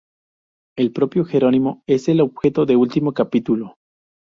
El propio Jerónimo es el objeto del último capítulo.